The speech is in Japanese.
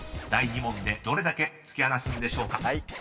［第２問でどれだけ突き放すんでしょうか？］